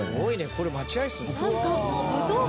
これ、待合室なの？